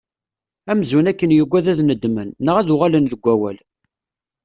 Amzun akken yuggad ad nedmen, neɣ ad uɣalen deg wawal.